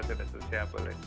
segala jenis usia boleh